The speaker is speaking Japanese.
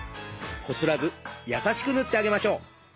こすらず優しく塗ってあげましょう。